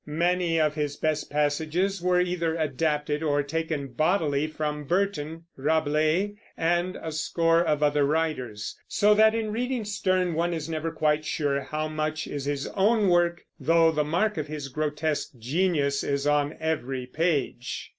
Many of its best passages were either adapted or taken bodily from Burton, Rabelais, and a score of other writers; so that, in reading Sterne, one is never quite sure how much is his own work, though the mark of his grotesque genius is on every page.